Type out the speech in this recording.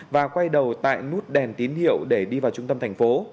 và quay đầu tại nút đèn tín hiệu để đi vào trung tâm thành phố